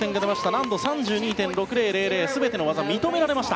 難度、３２．６０００全ての技が認められました。